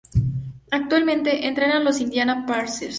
Actualmente entrena a los Indiana Pacers.